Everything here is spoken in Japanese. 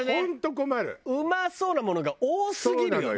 うまそうなものが多すぎるよね。